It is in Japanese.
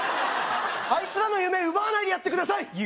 あいつらの夢奪わないでやってください